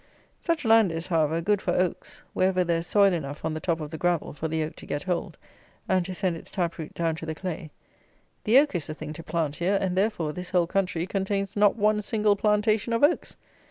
Such land is, however, good for oaks wherever there is soil enough on the top of the gravel for the oak to get hold, and to send its tap root down to the clay. The oak is the thing to plant here; and, therefore, this whole country contains not one single plantation of oaks!